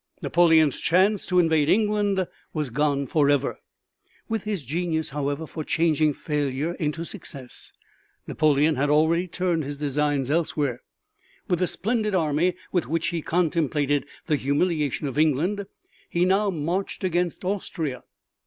Napoleon's chance to invade England was gone forever. With his genius, however, for changing failure into success Napoleon had already turned his designs elsewhere. With the splendid army with which he contemplated the humiliation of England, he now marched against Austria.